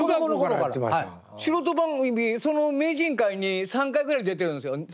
だから素人番組その「名人会」に３回ぐらい出てるんですよ。